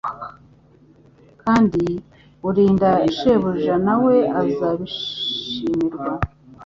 kandi urinda shebuja na we azabishimirwa